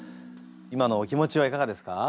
今のお気持ちはいかがですか？